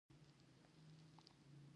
چیني موټرې اوس ډېرې شوې دي.